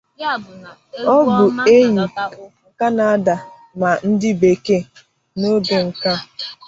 Obu enyi Kánada ma ndi bekee (n'oge nka).